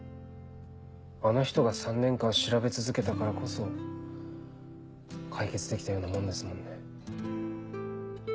あの人が３年間調べ続けたからこそ解決できたようなもんですもんね。